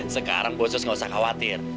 sekarang bos harus nggak usah khawatir